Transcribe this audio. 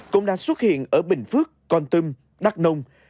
cũng đã xuất hiện ở bình phước con tâm đắc nông